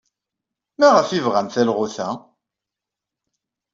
Maɣef ay bɣan talɣut-a?